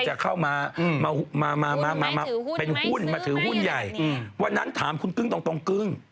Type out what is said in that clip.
จะเข้ามามาถือหุ้นใหญ่วันนั้นถามคุณกึ้งตรงกึ้ง